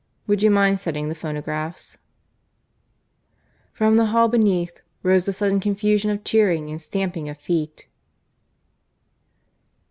Would you mind setting the phonographs?" From the hall beneath rose a sudden confusion of cheering and stamping of feet.